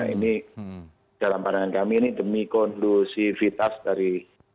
ini dalam pandangan kami ini demi kondusivitas dari